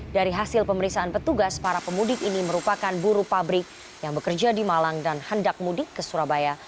dari hasil pemeriksaan petugas para pemudik ini merupakan buru pabrik yang bekerja di malang dan hendak mudik ke surabaya